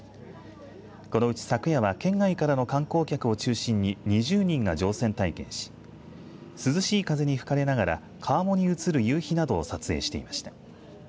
このうち昨夜は県外からの観光客を中心に２０人が乗船体験し涼しい風に吹かれながら川面に映る夕日などを撮影していました。